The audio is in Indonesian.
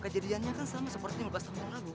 jangan jangan itu benar